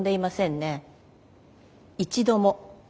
一度も。